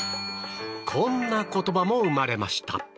こんな言葉も生まれました。